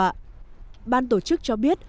ban tổ chức cho biết một khu vực cổng brandenburg